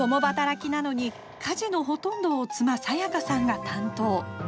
共働きなのに家事のほとんどを妻・清香さんが担当。